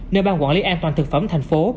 nơi ban quản lý an toàn thực phẩm thành phố